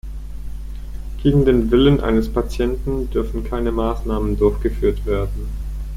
Gegen den Willen eines Patienten dürfen keine Maßnahmen durchgeführt werden.